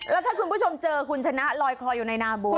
แล้วถ้าคุณผู้ชมเจอคุณชนะลอยคออยู่ในนาบัว